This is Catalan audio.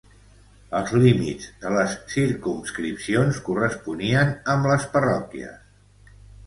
Els límits de les circumscripcions corresponien amb les parròquies.